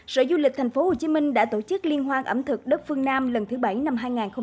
sở du lịch tp hcm đã tổ chức liên hoan ẩm thực đất phương nam lần thứ bảy năm hai nghìn hai mươi